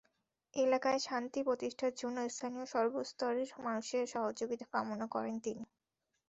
এলাকায় শান্তি প্রতিষ্ঠার জন্য স্থানীয় সর্বস্তরের মানুষের সহযোগিতা কামনা করেন তিনি।